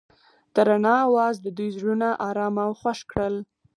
د رڼا اواز د دوی زړونه ارامه او خوښ کړل.